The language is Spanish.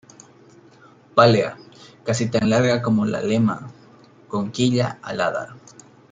Pálea casi tan larga como la lema, con quilla alada.